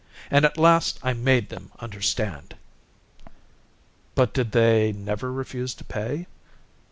And at last I made them understand." "But did they never refuse to pay?"